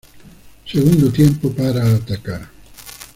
Segundo tiempo para atacar.